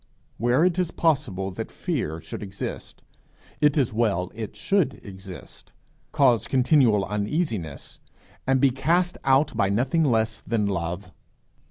Where it is possible that fear should exist, it is well it should exist, cause continual uneasiness, and be cast out by nothing less than love.